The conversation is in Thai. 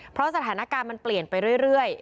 เพราะสถานการณ์มันเปลี่ยนไปเรื่อย